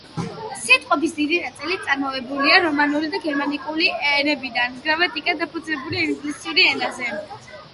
სიტყვების დიდი ნაწილი წარმოებულია რომანული და გერმანიკული ენებიდან, გრამატიკა დაფუძნებულია ინგლისური ენაზე.